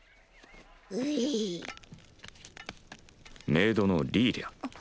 メイドのリーリャ。